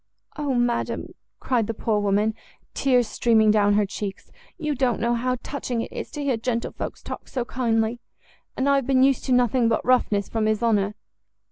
"Oh, madam," cried the poor woman, tears streaming down her cheeks, "you don't know how touching it is to hear gentlefolks talk so kindly! And I have been used to nothing but roughness from his honour!